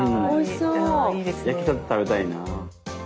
焼きたて食べたいな。